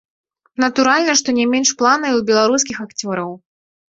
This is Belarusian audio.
Натуральна, што не менш планаў і ў беларускіх акцёраў.